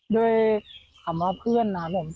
ด้วยคำว่าเพื่อนนะครับผม